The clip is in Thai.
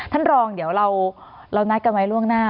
ท่านรองเดี๋ยวเรานัดกันไว้ล่วงหน้า